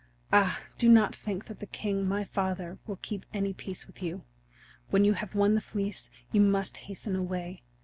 Ah, do not think that the king, my father, will keep any peace with you! When you have won the Fleece you must hasten away.